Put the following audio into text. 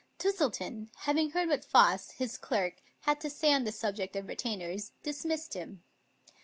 Twistleton, having heard what Foss, his clerk, had to say on the subject of retainers, dismissed him.